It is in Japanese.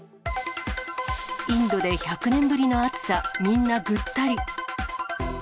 インドで１００年ぶりの暑さ、みんなぐったり。